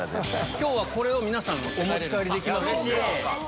今日はこれを皆さんお持ち帰りできますので。